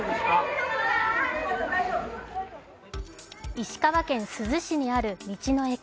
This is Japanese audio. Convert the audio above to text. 石川県珠洲市にある道の駅。